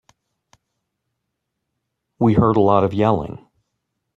We heard a lot of yelling.